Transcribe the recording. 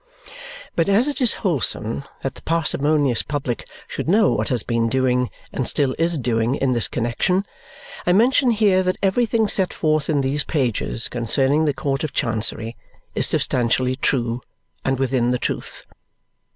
But as it is wholesome that the parsimonious public should know what has been doing, and still is doing, in this connexion, I mention here that everything set forth in these pages concerning the Court of Chancery is substantially true, and within the truth.